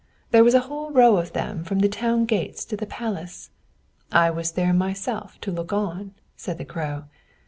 There was a whole row of them from the town gates to the palace. I was there myself to look on," said the Crow.